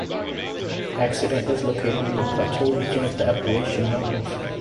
Accident is located in the plateau region of the Appalachian mountains.